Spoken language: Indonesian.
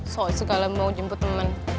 soal segala mau jemput temen